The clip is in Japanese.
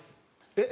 えっ？